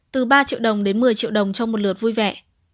từ ba triệu đồng đến một mươi triệu đồng cho một lượt vui vẻ